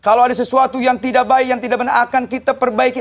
kalau ada sesuatu yang tidak baik yang tidak benar akan kita perbaiki